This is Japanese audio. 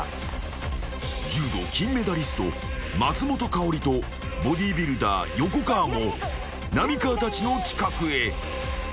［柔道金メダリスト松本薫とボディービルダー横川も浪川たちの近くへ］